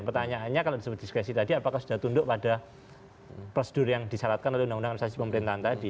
pertanyaannya kalau disebut diskresi tadi apakah sudah tunduk pada prosedur yang disyaratkan oleh undang undang administrasi pemerintahan tadi